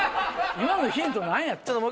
今のヒント何や？